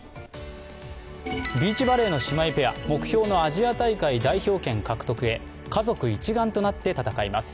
ビーチバレーの姉妹ペア、目標のアジア大会代表権獲得へ、家族一丸となって戦います。